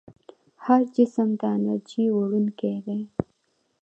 هر جسم د انرژۍ وړونکی دی.